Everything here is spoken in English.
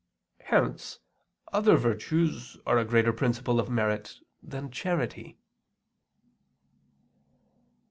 Hence other virtues are a greater principle of merit than charity.